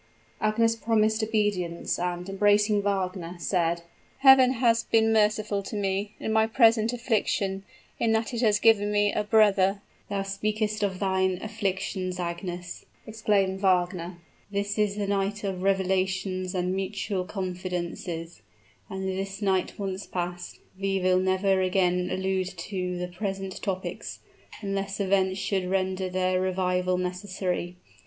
Agnes promised obedience, and, embracing Wagner, said, "Heaven has been merciful to me, in my present affliction, in that it has given me a brother!" "Thou speakest of thine afflictions, Agnes!" exclaimed Wagner; "this is the night of revelations and mutual confidences and this night once passed, we will never again allude to the present topics, unless events should render their revival necessary.